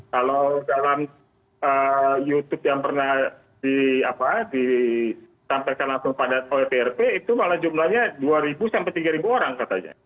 kalau dalam youtube yang pernah disampaikan langsung pada otrp itu malah jumlahnya dua sampai tiga orang katanya